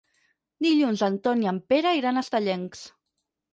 Dilluns en Ton i en Pere iran a Estellencs.